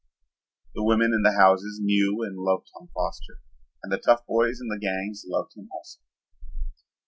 The women in the houses knew and loved Tom Foster and the tough boys in the gangs loved him also.